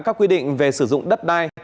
các quy định về sử dụng đất đai